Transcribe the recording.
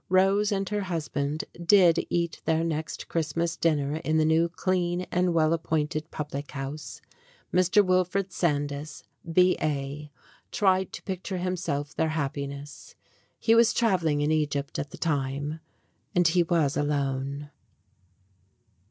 Rose and her husband did eat their next Christmas dinner in the new, clean, and well appointed public house. Mr. Wilfred Sandys, B.A., tried to picture to himself their happiness. He was travelling in Egypt at the time, and he was alone.